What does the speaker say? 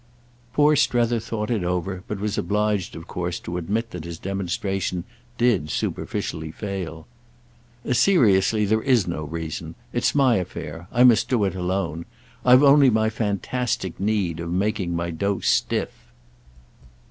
Poor Strether thought it over, but was obliged of course to admit that his demonstration did superficially fail. "Seriously, there is no reason. It's my affair—I must do it alone. I've only my fantastic need of making my dose stiff."